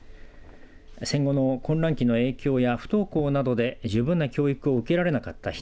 戦後の混乱期の影響や不登校などで十分な教育を受けられなかった人